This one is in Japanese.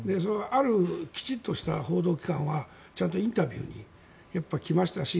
あるきちんとした報道機関はちゃんとインタビューに来ましたし